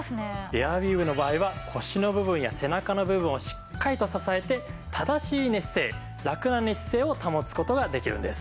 エアウィーヴの場合は腰の部分や背中の部分をしっかりと支えて正しい寝姿勢ラクな寝姿勢を保つ事ができるんです。